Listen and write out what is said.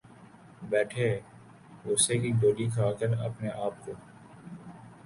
بیٹھے غصے کی گولی کھا کر اپنے آپ کو